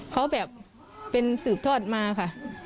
เขาแบบเป็นสืบทอดมาค่ะ